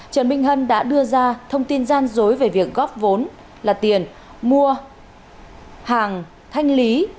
trần minh hân đã đưa ra thông tin gian dối về việc góp vốn là tiền mua hàng thanh lý